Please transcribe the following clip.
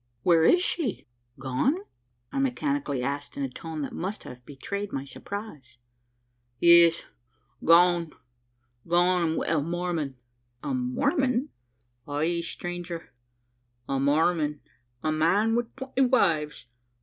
"Where is she? gone?" I mechanically asked, in a tone that must have betrayed my surprise. "Yes gone! gone! an' wi' a Mormon!" "A Mormon?" "Ay, stranger, a Mormon a man wi' twenty wives!